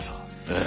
ええ。